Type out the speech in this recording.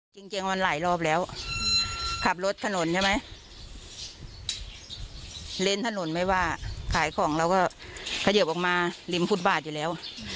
จริงจริงมันหลายรอบแล้วขับรถถนนใช่ไหมเล่นถนนไม่ว่าขายของเราก็ขยิบออกมาริมฟุตบาทอยู่แล้ว